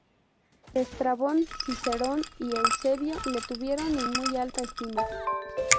Estrabón, Cicerón y Eusebio le tuvieron en muy alta estima.